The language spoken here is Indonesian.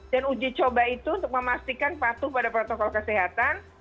dan uji coba itu untuk memastikan patuh pada protokol kesehatan